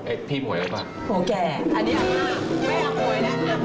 ไม่อยากหมวยแล้วอยากมากเลย